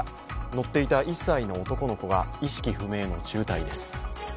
乗っていた１歳の男の子が意識不明の重体です。